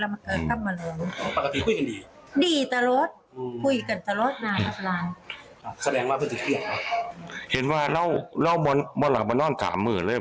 ลูกเตียงแล้วฮะ